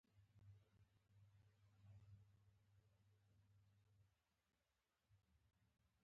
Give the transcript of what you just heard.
تاته یې لور پخوي موږ ته یې تنور پخوي متل د توپیر چلند ښيي